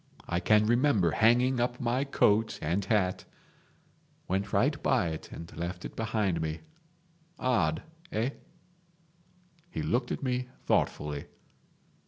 I can remember hanging up my coat and hat ... Went right by it and left it behind me. Odd, eh?" He looked at me thoughtfully.